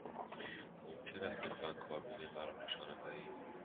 ممکن است لطفاً کابین مرا نشانم دهید؟